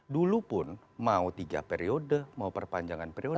dulu pun mau tiga periode mau perpanjangan periode